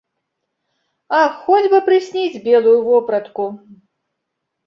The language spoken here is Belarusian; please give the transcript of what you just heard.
Ах хоць бы прысніць белую вопратку.